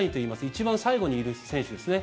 一番最後にいる選手ですね。